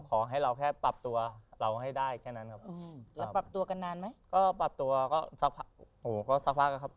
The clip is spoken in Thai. ขอเขาแฟนตัวเราให้ได้แค่นั้นครับ